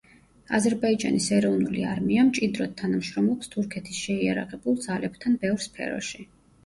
აზერბაიჯანის ეროვნული არმია მჭიდროდ თანამშრომლობს თურქეთის შეიარაღებულ ძალებთან ბევრ სფეროში.